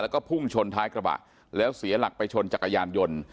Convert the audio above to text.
แล้วก็พุ่งชนท้ายกระบะแล้วเสียหลักไปชนจักรยานยนต์